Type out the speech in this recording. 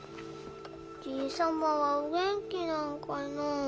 じいさまはお元気なんかなあ。